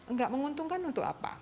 nggak menguntungkan untuk apa